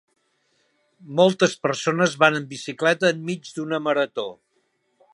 Moltes persones van en bicicleta enmig d'una marató.